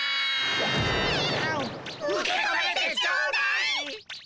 受け止めてちょうだい！